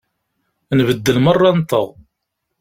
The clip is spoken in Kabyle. Nbeddel merra-nteɣ.